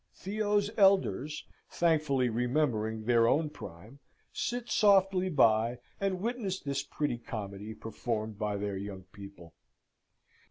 Theo's elders, thankfully remembering their own prime, sit softly by and witness this pretty comedy performed by their young people.